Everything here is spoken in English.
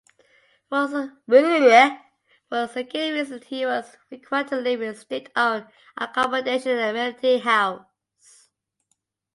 For security reasons he was required to live in state-owned accommodation at Admiralty House.